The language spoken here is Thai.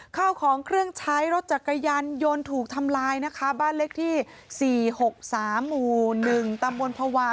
ข้าวของเครื่องใช้รถจักรยานยนต์ถูกทำลายนะคะบ้านเลขที่๔๖๓หมู่๑ตำบลภาวะ